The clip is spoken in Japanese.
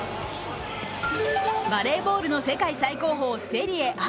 バレーボールの世界最高峰セリエＡ。